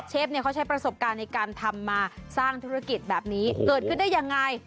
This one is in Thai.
เขาใช้ประสบการณ์ในการทำมาสร้างธุรกิจแบบนี้เกิดขึ้นได้ยังไง